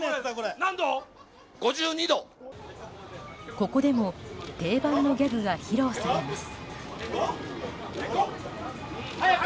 ここでも定番のギャグが披露されます。